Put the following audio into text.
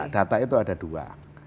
data itu ada dua